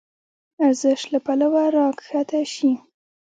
ارزش له پلوه راکښته شي.